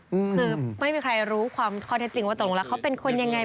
คือไม่มีใครรู้ความข้อเท็จจริงว่าตกลงแล้วเขาเป็นคนยังไง